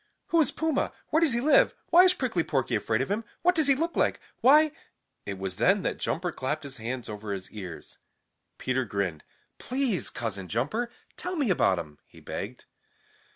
"Who is Puma? Where does he live? Why is Prickly Porky afraid of him? What does he look like? Why " It was then that Jumper clapped his hands over his ears. Peter grinned. "Please, Cousin Jumper, tell me about him," he begged.